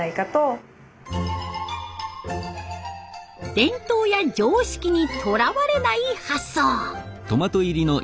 伝統や常識にとらわれない発想。